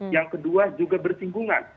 yang kedua juga bersinggungan